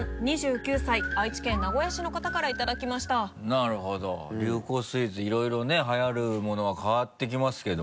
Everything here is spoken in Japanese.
なるほど流行スイーツいろいろねはやるものは変わってきますけどもね。